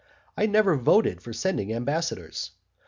I never voted for sending ambassadors.